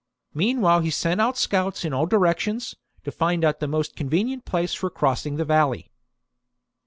Meanwhile he sent out scouts in all directions, to find out the most convenient place for crossing the valley.